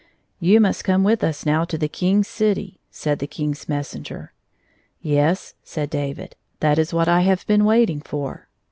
" You must come with us now to the King's city," said the King's messenger. " Yes," said David, " that is what I have been waiting for."